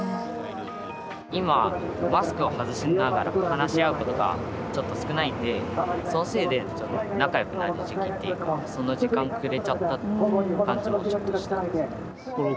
今マスクを外しながら話し合うことがちょっと少ないのでそのせいで仲良くなる時期っていうかその時間が遅れちゃったって感じもちょっとしています。